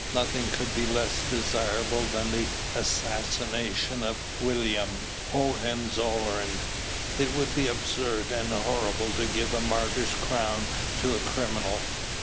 Nothing could be less desirable than the assassination of William Hohenzollern. It would be absurd and horrible to give a martyr's crown to a criminal.